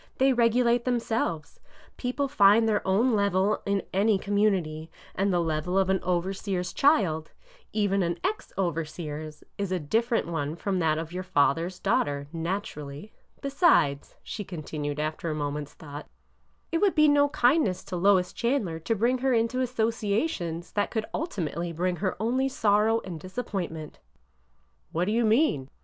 They regu late themselves. People find their own level in any com munity, and the level of an overseer's child — even an ex overseer's — is a different one from that of your father's daughter, naturally. Besides," she continued after a moment's thought, it would be no kindness to Lois Chandler to bring her into associations that could ulti mately bring her only sorrow and disappointment." " What do you mean